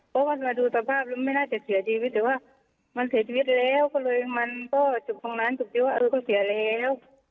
เพราะว่ามาดูสภาพแล้วไม่น่าจะเสียชีวิตแต่ว่ามันเสียชีวิตแล้วก็เลยมันก็จบตรงนั้นจบที่ว่าเออเขาเสียแล้ว